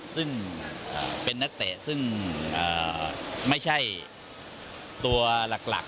ซึ่งเป็นนักเตะซึ่งไม่ใช่ตัวหลัก